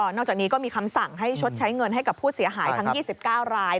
นอกจากนี้ก็มีคำสั่งให้ชดใช้เงินให้กับผู้เสียหายทั้ง๒๙ราย